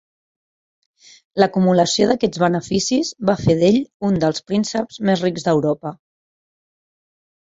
L'acumulació d'aquests beneficis va fer d'ell un dels prínceps més rics d'Europa.